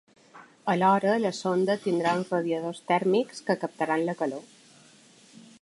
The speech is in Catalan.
Alhora, la sonda tindrà uns radiadors tèrmics que captaran la calor.